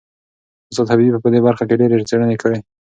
استاد حبیبي په دې برخه کې ډېرې څېړنې کړي.